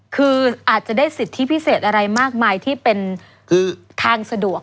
คืออาจจะได้สิทธิพิเศษอะไรมากมายที่เป็นทางสะดวก